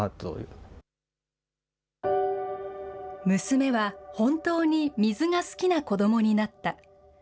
娘はほんとうに水が好きな子どもになった。